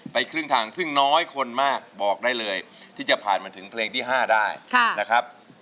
ครึ่งทางซึ่งน้อยคนมากบอกได้เลยที่จะผ่านมาถึงเพลงที่๕ได้นะครับ